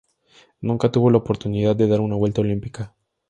Nunca tuvo la oportunidad de dar una vuelta olímpica.